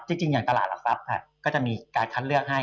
จริงอย่างตลาดหลักทรัพย์ก็จะมีการคัดเลือกให้